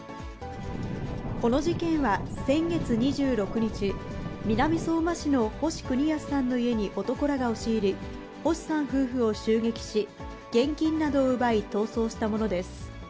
この事件は、先月２６日、南相馬市の星邦康さんの家に男らが押し入り、星さん夫婦を襲撃し、現金などを奪い、逃走したものです。